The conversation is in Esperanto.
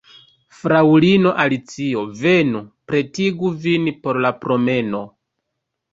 Fraŭlino Alicio, venu, pretigu vin por la promeno.